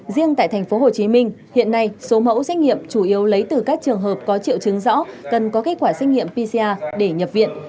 riêng tại tp hcm hiện nay số mẫu xét nghiệm chủ yếu lấy từ các trường hợp có triệu chứng rõ cần có kết quả xét nghiệm pcr để nhập viện